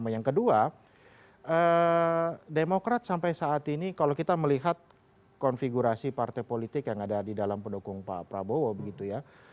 yang kedua demokrat sampai saat ini kalau kita melihat konfigurasi partai politik yang ada di dalam pendukung pak prabowo begitu ya